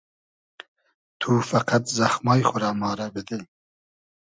تو فئقئد زئخمای خو رۂ ما رۂ بیدی